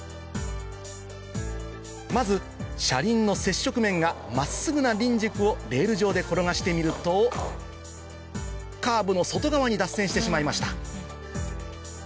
まず車輪の接触面が真っすぐな輪軸をレール上で転がしてみるとカーブの外側に脱線してしまいました